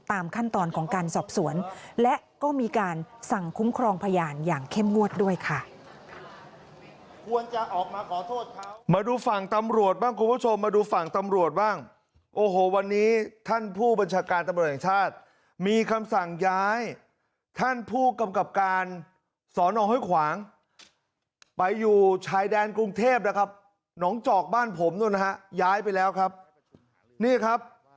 ตามขั้นตอนของการสอบสวนและก็มีการสั่งคุ้มครองพยานอย่างเข้มงวดด้วยค่ะ